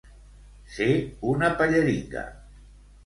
Ser una pelleringa.